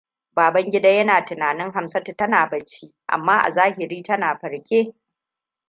Babangida yana tunanin Hamsatu tana bacci, amma a zahiri tana farke.